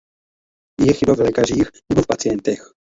Je chyba v lékařích nebo v pacientech?